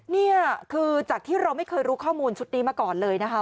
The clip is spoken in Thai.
นี่คือจากที่เราไม่เคยรู้ข้อมูลชุดนี้มาก่อนเลยนะคะ